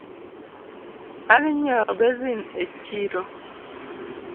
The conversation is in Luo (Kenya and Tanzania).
Adhi nyieo basin e chiro